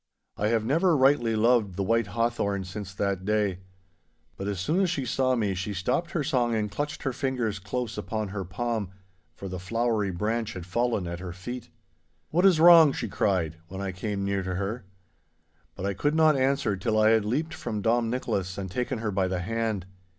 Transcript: I have never rightly loved the white hawthorn since that day. But as soon as she saw me she stopped her song and clutched her fingers close upon her palm, for the flowery branch had fallen at her feet. 'What is wrong?' she cried, when I came near to her. But I could not answer till I had leaped from Dom Nicholas and taken her by the hand.